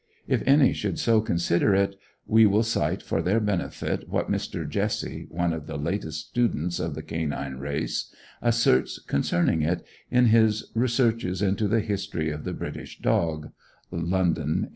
If any should so consider it, we will cite for their benefit what Mr. Jesse, one of the latest students of the canine race, asserts concerning it, in his "Researches into the History of the British Dog" (London, 1866).